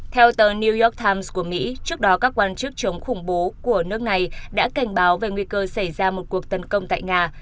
theo tờ new york times của mỹ trước đó các quan chức chống khủng bố của nước này đã cảnh báo về nguy cơ xảy ra một cuộc tấn công tại nga